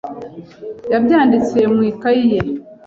Yabyanditse mu ikaye ye.